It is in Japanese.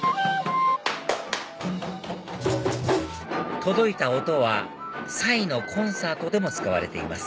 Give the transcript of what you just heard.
届いた音は彩のコンサートでも使われています